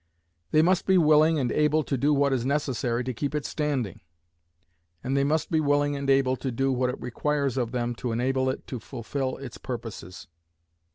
They must be willing and able to do what is necessary to keep it standing. And they must be willing and able to do what it requires of them to enable it to fulfill its purposes.